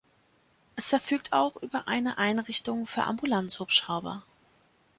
Es verfügt auch über eine Einrichtung für Ambulanzhubschrauber.